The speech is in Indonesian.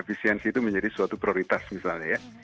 efisiensi itu menjadi suatu prioritas misalnya ya